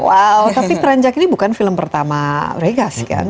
wow tapi peranjak ini bukan film pertama regas kan